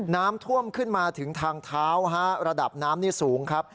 น้ำท่วมขึ้นมาถึงทางเท้าฮะระดับน้ำนี่สูงครับ